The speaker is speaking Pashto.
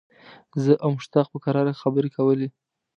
زه او مشتاق په کراره خبرې کولې.